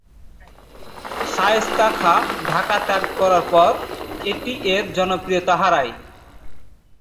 শায়েস্তা খাঁ ঢাকা ত্যাগ করার পর এটি এর জনপ্রিয়তা হারায়।